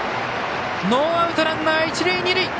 ノーアウト、ランナー、一塁二塁。